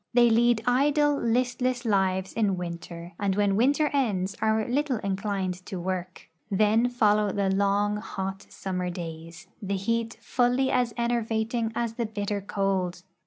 They lead idle, listless lives in winter, and Avhen Avinter ends are little inclined to Avork. Then folloAv the long, hot summer days, the heat fully as enervating as the bitter cold.